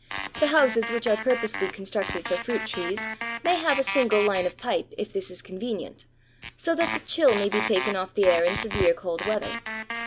The houses which are purposely constructed for fruit trees may have a single line of pipe if this is convenient, so that the chill may be taken off the air in severe cold weather.